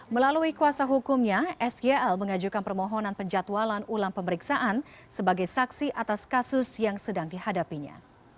melalui kuasa hukumnya sgl mengajukan permohonan penjatualan ulang pemeriksaan sebagai saksi atas kasus yang sedang dihadapinya